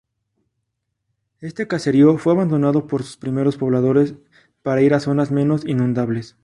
Este caserío fue abandonado por sus primeros pobladores para ir a zonas menos inundables.